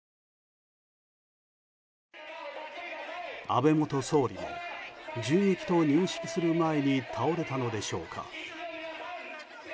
安倍元総理も銃撃と認識する前に倒れたのでしょうか。